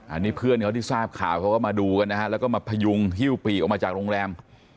อันนี้เพื่อนเขาที่ทราบข่าวเขาก็มาดูกันนะฮะแล้วก็มาพยุงฮิ้วปีกออกมาจากโรงแรม